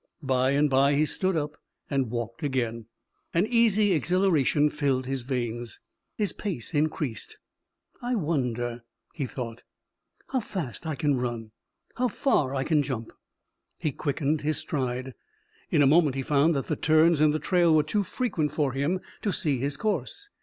By and by he stood up and walked again. An easy exhilaration filled his veins. His pace increased. "I wonder," he thought, "how fast I can run, how far I can jump." He quickened his stride. In a moment he found that the turns in the trail were too frequent for him to see his course.